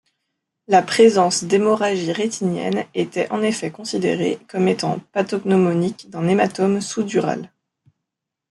La présence d'hémorragies rétiniennes était en effet considérée comme étant pathognomonique d'un hématome sous-dural.